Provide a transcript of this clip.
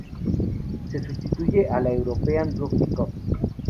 Se sustituye a la European Rugby Cup.